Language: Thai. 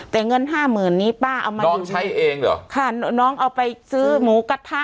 แต่เงินห้าหมื่นนี้ป้าเอามาน้องใช้เองเหรอค่ะน้องเอาไปซื้อหมูกระทะ